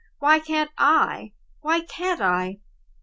Why can't I? why can't I?